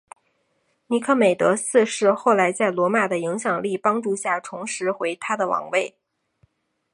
尼科美德四世后来在罗马的影响力帮助下重拾回他的王位。